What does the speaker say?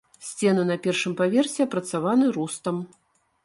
Сцены на першым паверсе апрацаваны рустам.